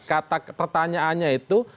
kata pertanyaannya itu